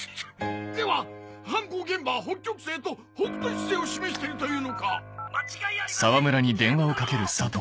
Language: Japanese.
では犯行現場は北極星と北斗七星を示しているというのか⁉間違いありません警部殿！